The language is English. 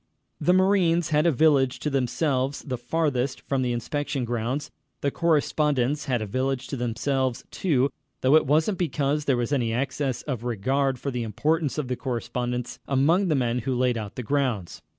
The marines had a village to themselves, the farthest from the inspection grounds. The correspondents had a village to themselves, too, though it wasn't because there was any excess of regard for the importance of the correspondents among the men who laid out the grounds.